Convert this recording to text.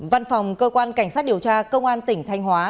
văn phòng cơ quan cảnh sát điều tra công an tỉnh thanh hóa